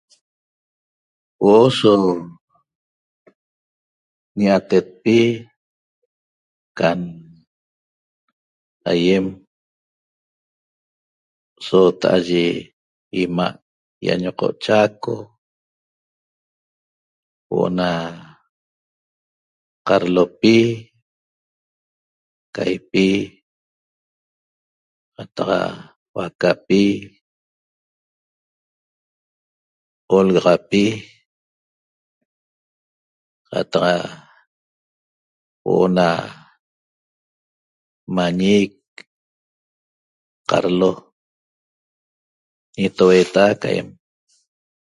Huo'o so ñia'atetpi can aýem soota'a yi 'ima' ýañoqo´ Chaco huo'o na qadlopi caýipi qataq huacapi olegaxapi qataq huo'o na mañic qadlo ñitoueta'ac aýem